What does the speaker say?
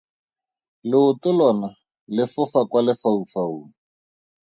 Leoto lona le fofa kwa lefaufaung.